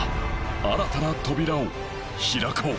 新たな扉を開こう